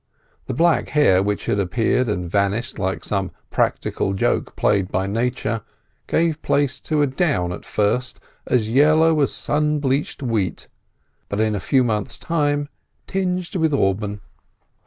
The black hair which had appeared and vanished like some practical joke played by Nature, gave place to a down at first as yellow as sun bleached wheat, but in a few months' time tinged with auburn.